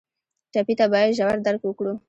ټپي ته باید ژور درک وکړو.